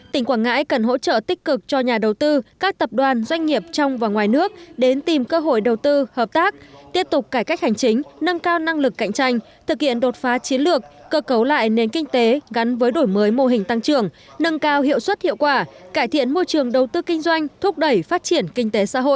tỉnh quảng ngãi cần hỗ trợ tích cực cho nhà đầu tư các tập đoàn doanh nghiệp trong và ngoài nước đến tìm cơ hội đầu tư hợp tác tiếp tục cải cách hành chính nâng cao năng lực cạnh tranh thực hiện đột phá chiến lược cơ cấu lại nền kinh tế gắn với đổi mới mô hình tăng trưởng nâng cao hiệu suất hiệu quả cải thiện môi trường đầu tư kinh doanh thúc đẩy phát triển kinh tế xã hội